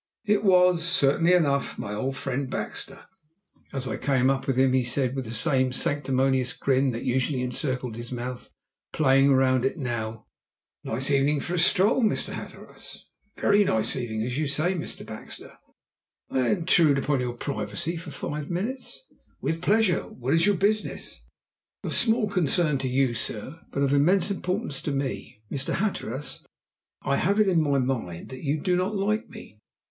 It was, certainly enough, my old friend Baxter. As I came up with him he said, with the same sanctimonious grin that usually encircled his mouth playing round it now: "A nice evening for a stroll, Mr. Hatteras." "A very nice evening, as you say, Mr. Baxter." "May I intrude myself upon your privacy for five minutes?" "With pleasure. What is your business?" "Of small concern to you, sir, but of immense importance to me. Mr. Hatteras, I have it in my mind that you do not like me."